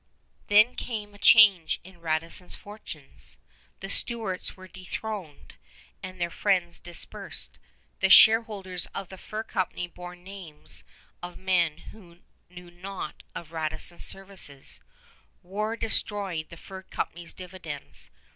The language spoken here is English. Then came a change in Radisson's fortunes. The Stuarts were dethroned and their friends dispersed. The shareholders of the fur company bore names of men who knew naught of Radisson's services. War destroyed the fur company's dividends.